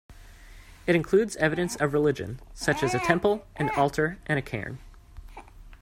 It includes evidence of religion, such as a temple, an altar and a cairn.